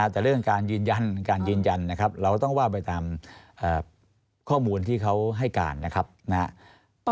แต่เรื่องการยืนยันการยืนยันนะครับเราต้องว่าไปตามข้อมูลที่เขาให้การนะครับ